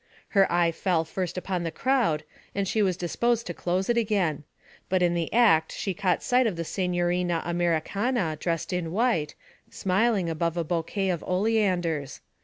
Her eye fell first upon the crowd, and she was disposed to close it again; but in the act she caught sight of the Signorina Americana dressed in white, smiling above a bouquet of oleanders.